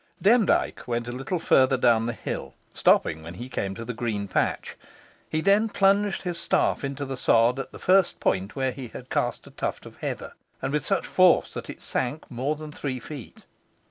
Demdike went a little further down the hill, stopping when he came to the green patch. He then plunged his staff into the sod at the first point where he had cast a tuft of heather, and with such force that it sank more than three feet.